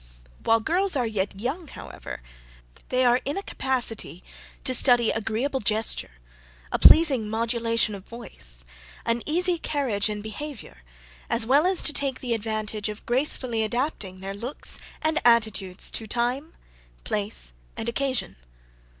While girls are yet young, however, they are in a capacity to study agreeable gesture, a pleasing modulation of voice, an easy carriage and behaviour; as well as to take the advantage of gracefully adapting their looks and attitudes to time, place, and occasion.